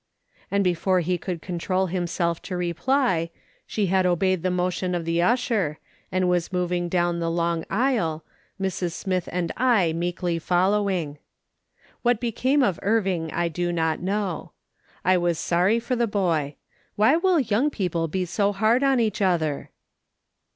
And, before he could control himself to reply, she had obeyed the motion of the usher, and was moving down the long aisle, Mrs. Smith and I meekly following. "What became of Irving I do not know. I was sorry for the boy. Wliy will young people be so hard on each other